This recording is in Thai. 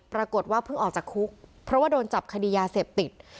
ปรากฏว่าเพิ่งออกจากคุกเพราะว่าโดนจับคดียาเสพติด